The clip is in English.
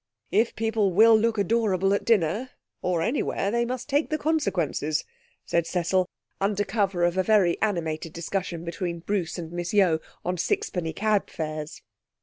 'If people will look adorable at dinner or anywhere they must take the consequences,' said Cecil, under cover of a very animated discussion between Bruce and Miss Yeo on sixpenny cab fares.